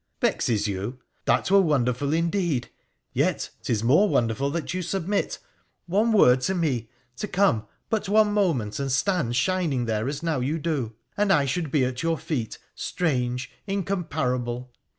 ' Vexes you ! That were wonderful indeed ; yet, 'tis more wonderful that you submit. One word to me — to come but one moment and stand shining there as now you do— and I should be at your feet, strange, incomparable.'